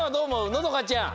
のどかちゃん。